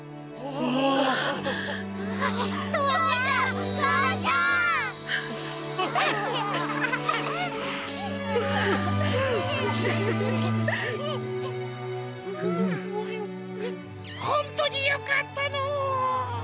ほんとによかったのう。